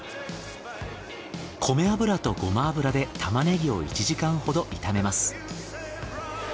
米油とごま油でタマネギを１時間ほど炒めます。